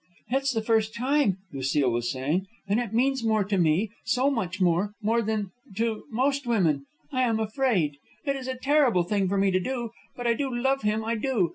"It's the first time," Lucile was saying, "and it means more to me, so much more, than to ... most women. I am afraid. It is a terrible thing for me to do. But I do love him, I do!"